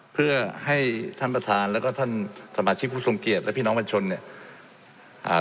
เพื่อให้ท่านประธานแล้วก็ท่านสมาชิกผู้ทรงเกียจและพี่น้องประชาชนเนี่ยอ่า